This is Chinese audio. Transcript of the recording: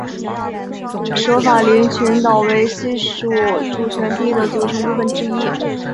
舍法林群岛为西属主权地的组成部分之一。